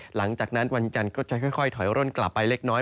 หลังจากนั้นวันจันทร์ก็จะค่อยถอยร่นกลับไปเล็กน้อย